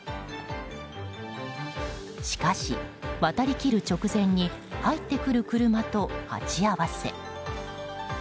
しかし、渡りきる直前に入ってくる車と鉢合わせ。